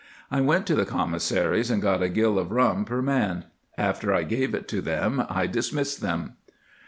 I went to the com missary's, and got a gill of rum p' man. After I gave it to them I dismissed them."